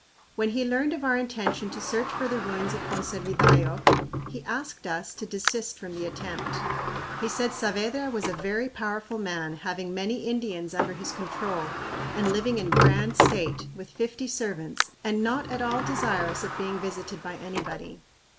When he learned of our intention to search for the ruins of Conservidayoc, he asked us to desist from the attempt. He said Saavedra was "a very powerful man having many Indians under his control and living in grand state, with fifty servants, and not at all desirous of being visited by anybody."